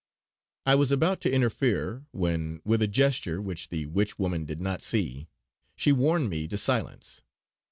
I was about to interfere, when with a gesture, which the Witch woman did not see, she warned me to silence.